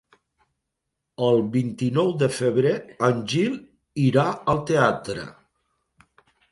El vint-i-nou de febrer en Gil irà al teatre.